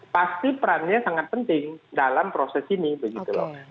pasti perannya sangat penting dalam proses ini begitu loh